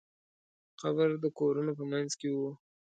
قبر د کورونو په منځ کې و.